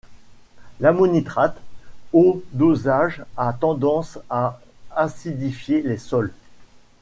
L’ammonitrate haut dosage a tendance à acidifier les sols.